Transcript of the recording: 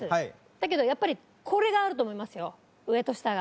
だけどやっぱりこれがあると思いますよ上と下が。